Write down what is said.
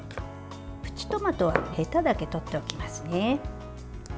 プチトマトはへただけ取っておきますね。